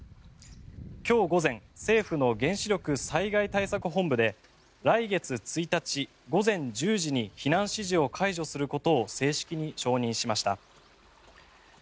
今日午前政府の原子力災害対策本部で来月１日午前１０時に避難指示を解除することを正式に承認しました。